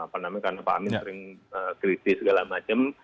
karena pak amin ada yang kritis segala macam